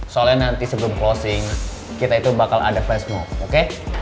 soalnya nanti sebelum closing kita itu bakal ada flash move oke